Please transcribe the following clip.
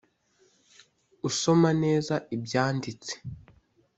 usoma neza ibyanditse